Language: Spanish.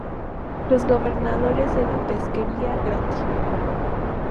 Los gobernadores de la Pesquería Grande.